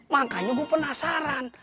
makanya gue penasaran